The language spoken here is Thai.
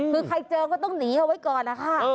คือใครเจอก็ต้องหนีเอาไว้ก่อนนะคะ